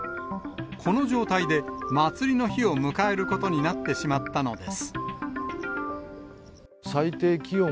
この状態で、まつりの日を迎えることになってしまったのです。